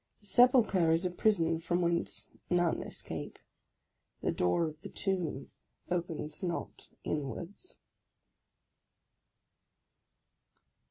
The sepulchre is a prison from whence none escape. The door of the tomb opens not inwards